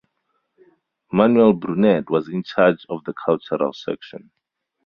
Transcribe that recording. Manuel Brunet was in charge of the cultural section.